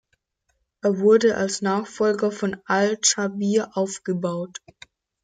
Er wurde als Nachfolger von al-Dschabir aufgebaut.